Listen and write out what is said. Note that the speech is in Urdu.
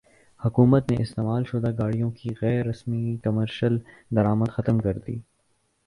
حکومت نے استعمال شدہ گاڑیوں کی غیر رسمی کمرشل درامد ختم کردی